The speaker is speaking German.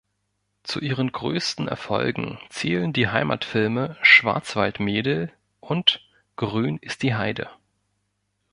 Zu ihren größten Erfolgen zählen die Heimatfilme "Schwarzwaldmädel" und "Grün ist die Heide".